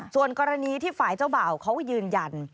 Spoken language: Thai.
ส่วนกรณีที่ฝ่ายเจ้าบ่าวเขายืนยัน